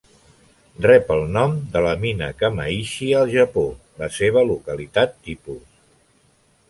Rep el nom de la mina Kamaishi, al Japó, la seva localitat tipus.